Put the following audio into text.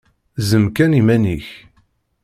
Zzem kan iman-ik!